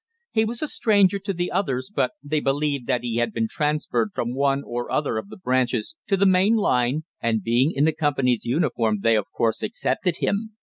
He was a stranger to the others, but they believed that he had been transferred from one or other of the branches to the main line, and being in the company's uniform they, of course, accepted him.